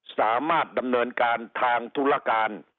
สามารถดำเนินการทางธุรการ